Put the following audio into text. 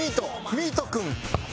ミート君。